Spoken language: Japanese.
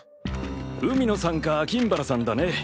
海野さんか金原さんだね。